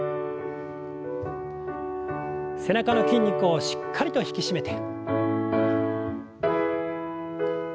背中の筋肉をしっかりと引き締めて。